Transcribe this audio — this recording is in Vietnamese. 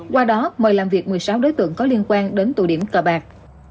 qua đó mời làm việc một mươi sáu đối tượng có liên quan đến tụ điểm cờ bạc